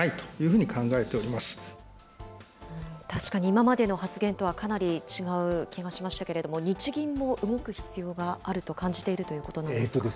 今までの発言とはかなり違う気がしましたけれども、日銀も動く必要があると感じているということですか。